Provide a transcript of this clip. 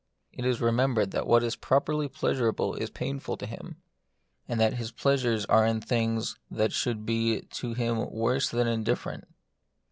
It is remembered that what is pro perly pleasurable is painful to him, and that his pleasures are in things that should be to him worse than indifferent.